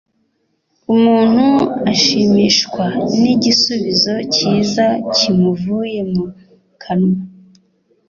Umuntu ashimishwa n’igisubizo cyiza kimuvuye mu kanwa